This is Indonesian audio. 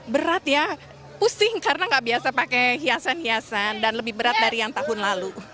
berat ya pusing karena nggak biasa pakai hiasan hiasan dan lebih berat dari yang tahun lalu